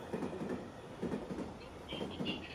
洛尔迈埃。